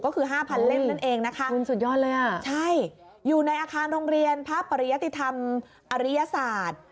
ก็คือ๕๐๐เล่มนั่นเองนะคะสุดยอดเลยอ่ะใช่อยู่ในอาคารโรงเรียนพระปริยติธรรมอริยศาสตร์